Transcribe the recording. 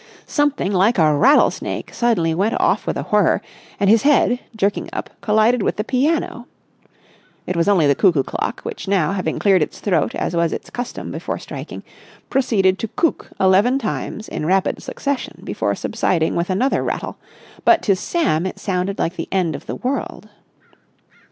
Something like a rattlesnake suddenly went off with a whirr, and his head, jerking up, collided with the piano. It was only the cuckoo clock, which now, having cleared its throat as was its custom before striking, proceeded to cuck eleven times in rapid succession before subsiding with another rattle; but to Sam it sounded like the end of the world.